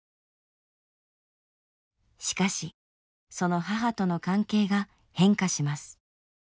しかしその母との関係が変化します。